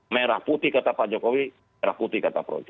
merah putih kata pak jokowi merah putih kata projo